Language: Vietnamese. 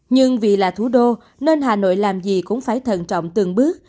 nhưng vì là thủ đô nên hà nội làm gì cũng phải thận trọng từng bước